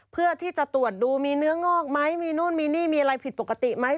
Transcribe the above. เพื่อที่จะตรวจดูมีเนื้องอกไหมมีนู่นมีนี่มีอะไรผิดปกติไหม